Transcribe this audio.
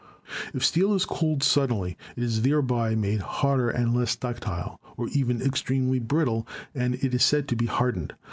If steel is cooled suddenly it is thereby made harder and less ductile or even extremely brittle and is said to be "hardened."